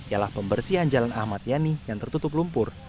ialah pembersihan jalan ahmad yani yang tertutup lumpur